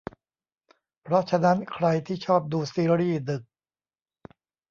เพราะฉะนั้นใครที่ชอบดูซีรีส์ดึก